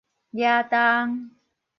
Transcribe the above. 夯重